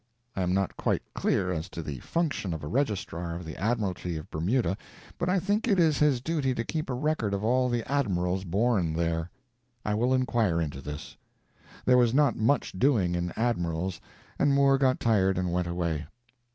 I am not quite clear as to the function of a registrar of the admiralty of Bermuda, but I think it is his duty to keep a record of all the admirals born there. I will inquire into this. There was not much doing in admirals, and Moore got tired and went away.